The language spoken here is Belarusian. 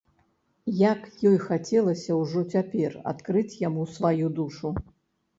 Як ёй хацелася ўжо цяпер адкрыць яму сваю душу!